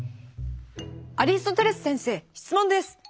「アリストテレス先生質問です。